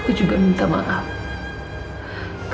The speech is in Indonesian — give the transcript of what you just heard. kalau ada perkataan ataupun perbuatan aku